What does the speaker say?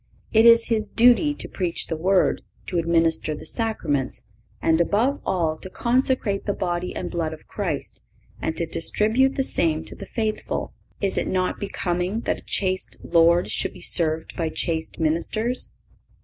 It is his duty to preach the word, to administer the Sacraments, and, above all, to consecrate the Body and Blood of Christ and to distribute the same to the faithful. Is it not becoming that a chaste Lord should be served by chaste ministers?